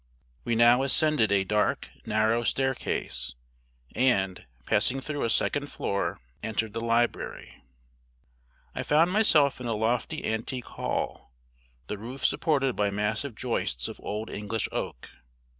We now ascended a dark narrow staircase, and, passing through a second door, entered the library. I found myself in a lofty antique hall, the roof supported by massive joists of old English oak.